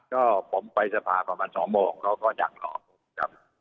ก็ผมไปสภาประมาณสองโมงเขาก็อย่างหล่อครับ